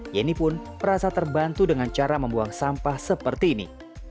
yeni pun merasa terbantu dengan cara membuang sampah seperti ini